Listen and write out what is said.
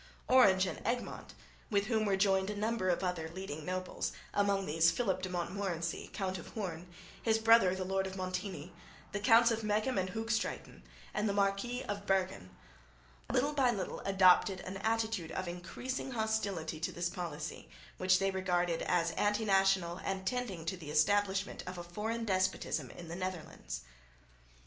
Orange and Egmont, with whom were joined a number of other leading nobles (among these Philip de Montmorency, Count of Hoorn, his brother the lord of Montigny, the Counts of Meghem and Hoogstraeten and the Marquis of Berghen), little by little adopted an attitude of increasing hostility to this policy, which they regarded as anti national and tending to the establishment of a foreign despotism in the Netherlands.